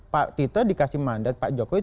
pak tito dikasih mandat pak jokowi